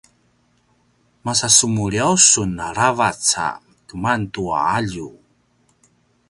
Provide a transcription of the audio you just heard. masa semuliyaw sun aravac a keman tua alju?